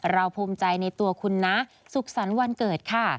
ภูมิใจในตัวคุณนะสุขสรรค์วันเกิดค่ะ